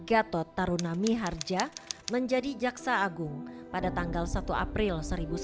pengangkatan kembali mr gatot tarunami harja menjadi jaksa agung pada tanggal satu april seribu sembilan ratus lima puluh sembilan